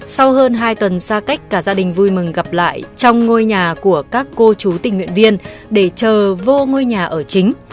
sau hơn hai tuần xa cách cả gia đình vui mừng gặp lại trong ngôi nhà của các cô chú tình nguyện viên để chờ vô ngôi nhà ở chính